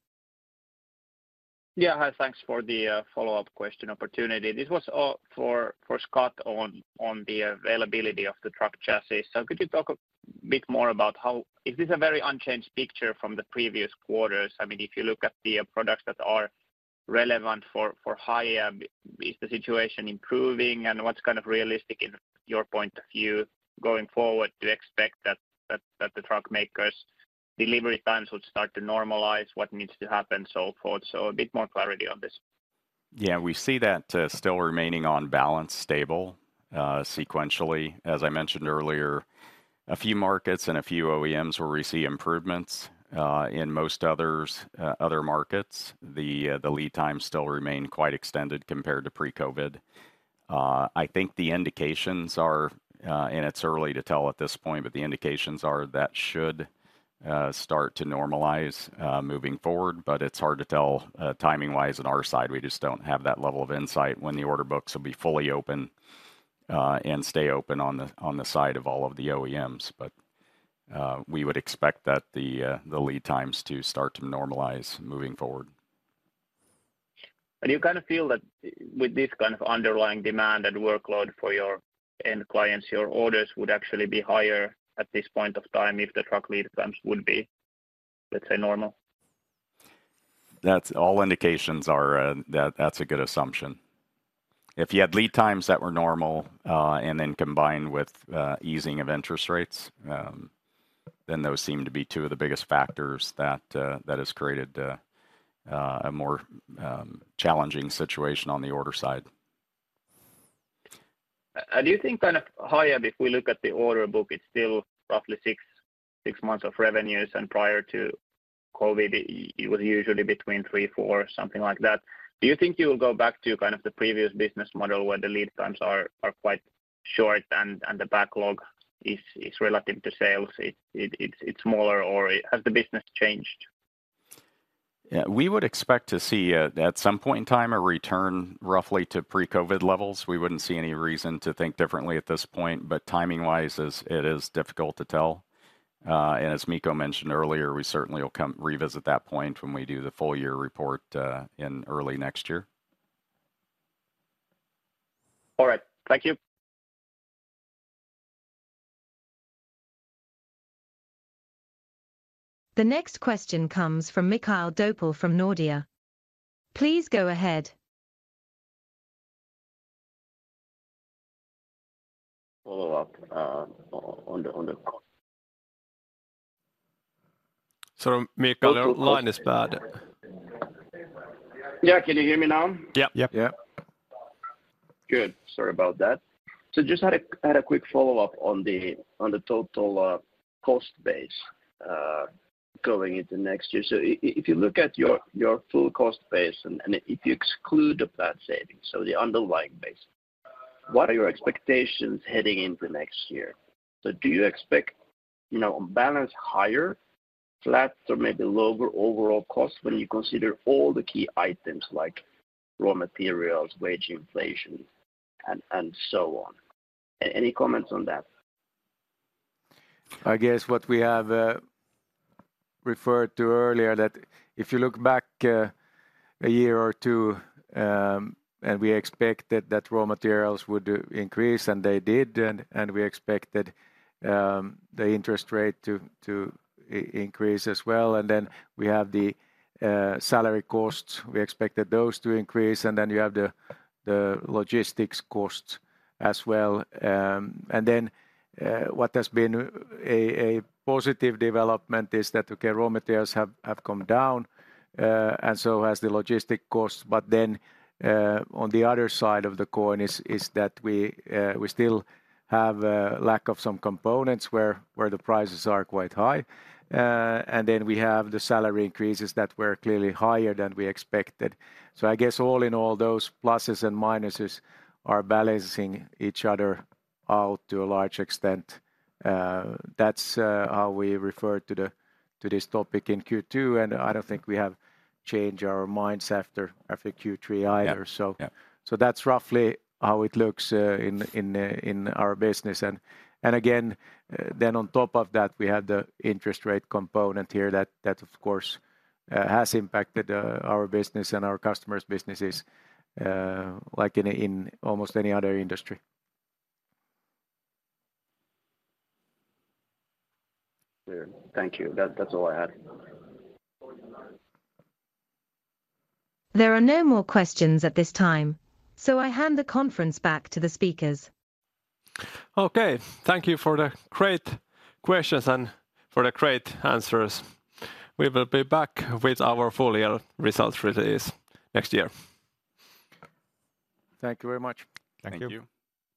Yeah. Hi, thanks for the follow-up question opportunity. This was for Scott on the availability of the truck chassis. So could you talk a bit more about how... Is this a very unchanged picture from the previous quarters? I mean, if you look at the products that are relevant for Hiab, is the situation improving, and what's kind of realistic in your point of view, going forward, to expect that the truck makers' delivery times would start to normalize? What needs to happen, so forth? So a bit more clarity on this.
Yeah, we see that, still remaining on balance stable, sequentially. As I mentioned earlier, a few markets and a few OEMs where we see improvements. In most others, other markets, the lead times still remain quite extended compared to pre-COVID. I think the indications are, and it's early to tell at this point, but the indications are that should start to normalize, moving forward, but it's hard to tell, timing-wise on our side. We just don't have that level of insight when the order books will be fully open, and stay open on the side of all of the OEMs. But, we would expect that the lead times to start to normalize moving forward....
And you kind of feel that with this kind of underlying demand and workload for your end clients, your orders would actually be higher at this point of time if the truck lead times would be, let's say, normal?
That's all indications are that that's a good assumption. If you had lead times that were normal, and then combined with easing of interest rates, then those seem to be two of the biggest factors that that has created a more challenging situation on the order side.
Do you think kind of higher, if we look at the order book, it's still roughly six, six months of revenues, and prior to COVID, it was usually between three, four, something like that. Do you think you will go back to kind of the previous business model, where the lead times are quite short and the backlog is relative to sales? It's smaller, or has the business changed?
Yeah. We would expect to see, at some point in time, a return roughly to pre-COVID levels. We wouldn't see any reason to think differently at this point, but timing-wise, as it is difficult to tell. And as Mikko mentioned earlier, we certainly will come revisit that point when we do the full year report, in early next year.
All right. Thank you.
The next question comes from Mikael Doepel from Nordea. Please go ahead.
Follow-up on the call.
Sorry, Mikhail, your line is bad.
Yeah, can you hear me now?
Yep.
Yep.
Yeah.
Good. Sorry about that. So just had a quick follow-up on the total cost base going into next year. So if you look at your full cost base, and if you exclude the bad savings, so the underlying base, what are your expectations heading into next year? So do you expect, you know, on balance, higher, flat, or maybe lower overall costs when you consider all the key items like raw materials, wage inflation, and so on? Any comments on that?
I guess what we have referred to earlier, that if you look back a year or two, and we expected that raw materials would increase, and they did, and we expected the interest rate to increase as well, and then we have the salary costs, we expected those to increase, and then you have the logistics costs as well. And then what has been a positive development is that raw materials have come down, and so has the logistics costs. But then on the other side of the coin is that we still have lack of some components where the prices are quite high. And then we have the salary increases that were clearly higher than we expected. So I guess all in all, those pluses and minuses are balancing each other out to a large extent. That's how we referred to this topic in Q2, and I don't think we have changed our minds after Q3 either.
Yeah, yeah.
So that's roughly how it looks in our business. And again, then on top of that, we had the interest rate component here that, of course, has impacted our business and our customers' businesses like in almost any other industry.
Clear. Thank you. That, that's all I had.
There are no more questions at this time, so I hand the conference back to the speakers.
Okay. Thank you for the great questions and for the great answers. We will be back with our full year results release next year.
Thank you very much.
Thank you.